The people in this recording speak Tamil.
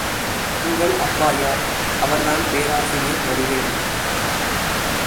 உங்கள் அப்பா யார்? அவர் தான் பேராசிரியர் வடிவேல்.